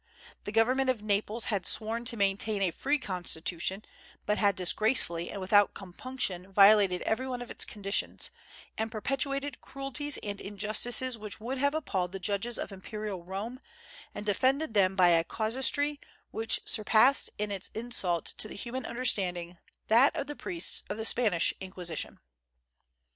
The government of Naples had sworn to maintain a free constitution, but had disgracefully and without compunction violated every one of its conditions, and perpetrated cruelties and injustices which would have appalled the judges of imperial Rome, and defended them by a casuistry which surpassed in its insult to the human understanding that of the priests of the Spanish Inquisition.